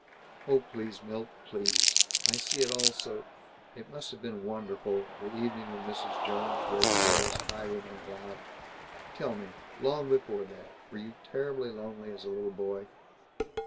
"Oh, please, Milt, please! I see it all so It must have been wonderful, the evening when Mrs. Jones read Noyes's 'Highwayman' aloud. Tell me long before that were you terribly lonely as a little boy?"